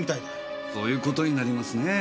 そういう事になりますねぇ。